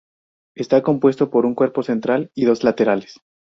Está compuesto por un cuerpo central y dos laterales.